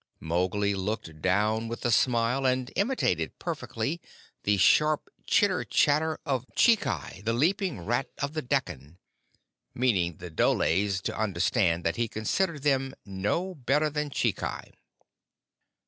Mowgli looked down with a smile, and imitated perfectly the sharp chitter chatter of Chikai, the leaping rat of the Dekkan, meaning the dholes to understand that he considered them no better than Chikai.